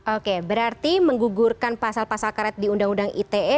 oke berarti menggugurkan pasal pasal karet di undang undang ite